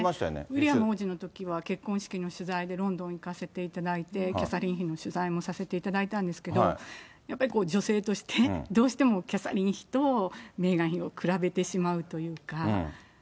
ウィリアム王子のときは結婚式の取材でロンドンに行かせていただいて、キャサリン妃の取材もさせていただいたんですけれども、やっぱり女性として、どうしてもキャサリン妃とメーガン妃を比べどう比べんの？